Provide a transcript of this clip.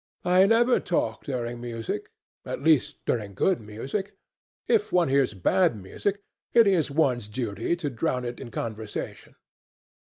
I never talk during music—at least, during good music. If one hears bad music, it is one's duty to drown it in conversation."